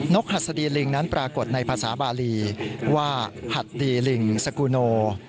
นกฐาดีลิงนั้นปรากฏในภาษาบาลีว่า฀าดรีลิงสกุโน